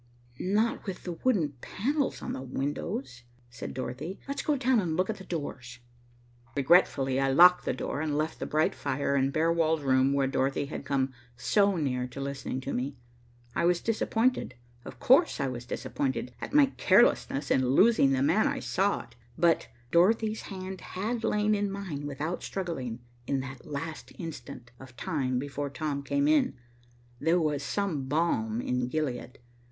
"Not with the wooden panels on the windows," said Dorothy. "Let's go down and look at the doors." Regretfully I locked the door and left the bright fire and bare walled room where Dorothy had come so near to listening to me. I was disappointed, of course I was disappointed at my carelessness in losing the man I sought, but Dorothy's hand had lain in mine without struggling that last instant of time before Tom came in. There was some balm in Gilead.